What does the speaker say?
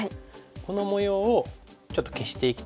この模様をちょっと消していきたい。